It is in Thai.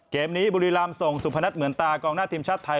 เกมนี้บุรีรำส่งสุพนัทเหมือนตากองหน้าทีมชาติไทย